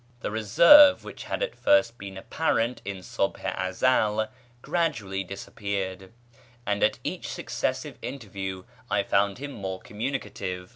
The reserve which had at first been apparent in Subh i Ezel gradually disappeared, and at each successive interview I found him more communicative.